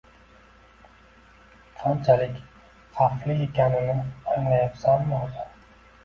Qanchalik xavfli ekanini anglayapsanmi o`zi